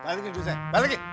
balikin dulu saya balikin